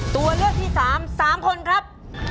ตัวเลือกที่สามสามคนครับ